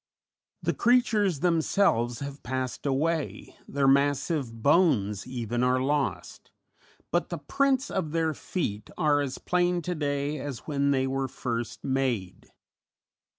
The creatures themselves have passed away, their massive bones even are lost, but the prints of their feet are as plain to day as when they were first made.